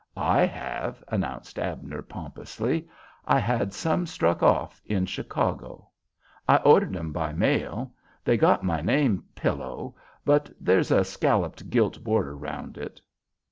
"I have," announced Abner, pompously. "I had some struck off in Chicago. I ordered 'em by mail. They got my name Pillow, but there's a scalloped gilt border around it.